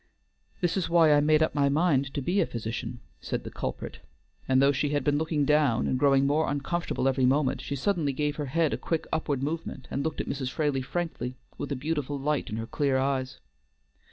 "This is why I made up my mind to be a physician," said the culprit; and though she had been looking down and growing more uncomfortable every moment, she suddenly gave her head a quick upward movement and looked at Mrs. Fraley frankly, with a beautiful light in her clear eyes.